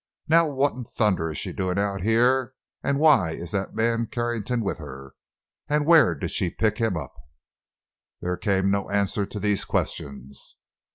Now what in thunder is she doing out here, and why is that man Carrington with her—and where did she pick him up?" There came no answer to these questions.